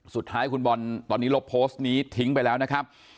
สุดท้ายคุณบอลตอนนี้ลบโพสต์นี้ทิ้งไปแล้วนะครับ